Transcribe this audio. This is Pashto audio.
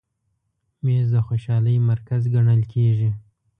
مېز د خوشحالۍ مرکز ګڼل کېږي.